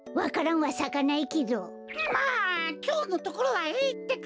まあきょうのところはいいってか！